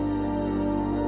saya tidak tahu